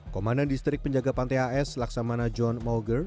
komandan distrik penjaga pantai as laksamana john mauger